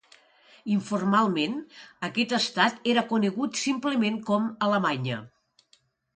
Informalment, aquest estat era conegut simplement com Alemanya.